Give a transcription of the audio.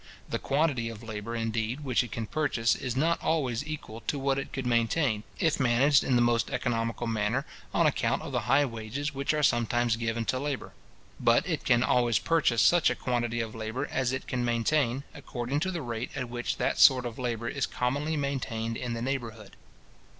The quantity of labour, indeed, which it can purchase, is not always equal to what it could maintain, if managed in the most economical manner, on account of the high wages which are sometimes given to labour; but it can always purchase such a quantity of labour as it can maintain, according to the rate at which that sort of labour is commonly maintained in the neighbourhood.